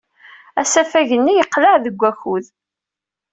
Asafag-nni yeqleɛ deg wakud.